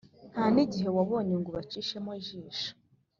Nta n’igihe wabonye Ngo ubacishemo ijisho: